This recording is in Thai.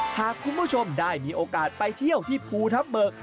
หากคุณผู้ชมได้มีโอกาสไปเที่ยวที่ภูทับเบิก